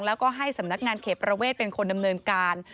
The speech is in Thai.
แล้วก็ให้สำนักงานเขตประเวทเป็นคนดำเนินการ